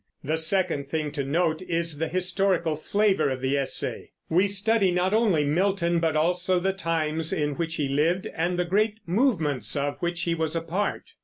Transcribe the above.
The second thing to note is the historical flavor of the essay. We study not only Milton, but also the times in which he lived, and the great movements of which he was a part.